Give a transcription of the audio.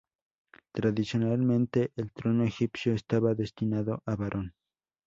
Tradicionalmente, el trono egipcio estaba destinado a varón.